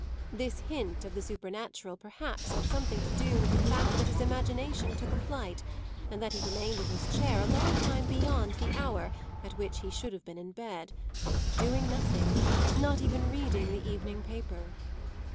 This hint of the supernatural perhaps had something to do with the fact that his imagination took a flight and that he remained in his chair a long time beyond the hour at which he should have been in bed; doing nothing, not even reading the evening paper.